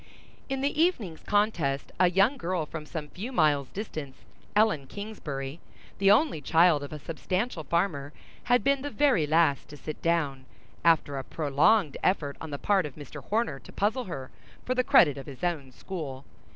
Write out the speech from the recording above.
In the evening's contest a young girl from some few miles' distance, Ellen Kingsbury, the only child of a substantial farmer, had been the very last to sit down, after a prolonged effort on the part of Mr. Horner to puzzle her, for the credit of his own school.